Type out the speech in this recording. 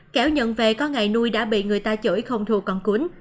cô nhận về có ngày nuôi đã bị người ta chửi không thu con cuốn